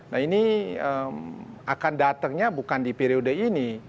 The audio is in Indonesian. nah ini akan datangnya bukan di periode ini